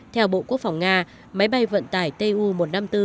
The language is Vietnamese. theo bộ quốc phòng nga máy bay vận tải tu một trăm năm mươi bốn